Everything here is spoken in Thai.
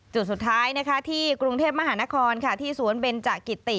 จุดสุดท้ายที่กรุงเทพมหานครที่สวนเบนจกิติ